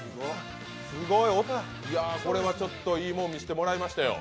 すごい、これはちょっといいもの見せてもらいましたよ。